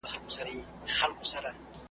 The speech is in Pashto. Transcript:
چي راجلا یم له شنو سیندونو .